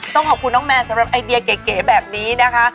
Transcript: ต้องขอบคุณน้องแมนสำหรับไอเดียเก๋แบบนี้นะคะ